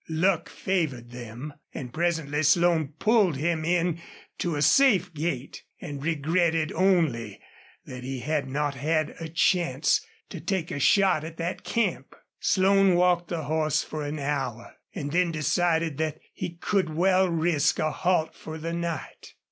Luck favored them, and presently Slone pulled him in to a safe gait, and regretted only that he had not had a chance to take a shot at that camp. Slone walked the horse for an hour, and then decided that he could well risk a halt for the night.